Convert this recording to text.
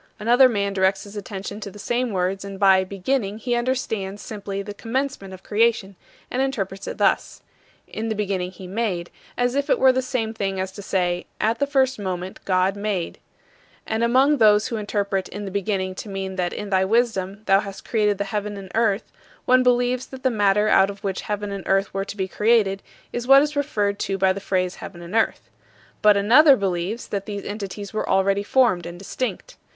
Another man directs his attention to the same words, and by "beginning" he understands simply the commencement of creation, and interprets it thus: "In the beginning he made," as if it were the same thing as to say, "At the first moment, God made ..." And among those who interpret "In the beginning" to mean that in thy wisdom thou hast created the heaven and earth, one believes that the matter out of which heaven and earth were to be created is what is referred to by the phrase "heaven and earth." But another believes that these entities were already formed and distinct.